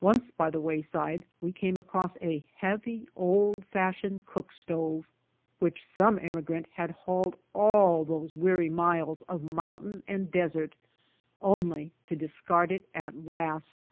Once by the roadside, we came across a heavy old fashioned cook stove which some emigrant had hauled all those weary miles of mountain and desert, only to discard it at last.